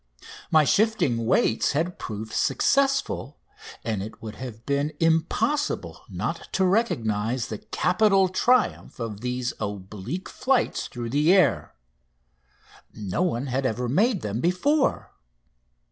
My shifting weights had proved successful, and it would have been impossible not to recognise the capital triumph of these oblique flights through the air. No one had ever made them before.